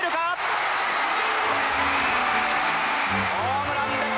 ホームランです